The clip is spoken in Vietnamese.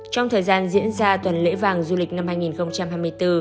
trong thời gian diễn ra tuần lễ vàng du lịch năm hai nghìn hai mươi bốn